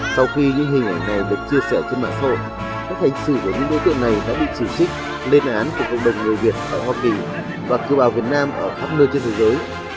sau khi những hình ảnh này được chia sẻ trên mạng sổ các hành xử của những đối tượng này đã bị xử trích lên án của cộng đồng người việt ở hoa kỳ và cư bào việt nam ở khắp nơi trên thế giới